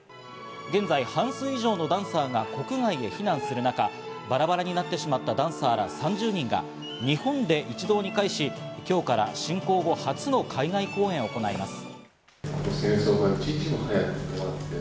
現在、半数以上のダンサーが国外へ避難する中、バラバラになってしまったダンサーら３０人が日本で一堂に会し、今日から侵攻後初めての海外公演を行います。